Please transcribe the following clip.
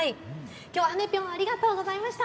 きょうははねぴょん、ありがとうございました。